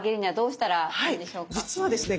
実はですね